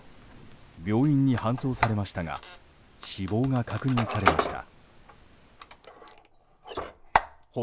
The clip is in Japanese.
病院に搬送されましたが死亡が確認されました。